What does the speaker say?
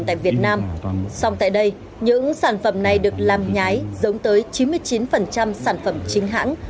tại việt nam song tại đây những sản phẩm này được làm nhái giống tới chín mươi chín sản phẩm chính hãng